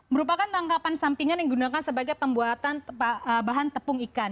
merupakan tangkapan sampingan yang digunakan sebagai pembuatan bahan tepung ikan